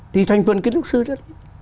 thì thành phần kiến trúc sư chứ